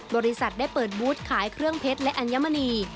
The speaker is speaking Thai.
บริษัทได้เปิดบูธขายเครื่องเพชรและอัญมณี